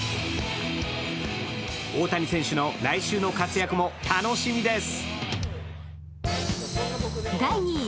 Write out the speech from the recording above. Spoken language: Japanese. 大谷選手の来週の活躍も楽しみです！